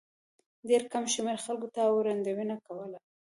ډېر کم شمېر خلکو دا وړاندوینه کوله.